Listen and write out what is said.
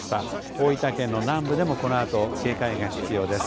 大分県の南部でもこのあと警戒が必要です。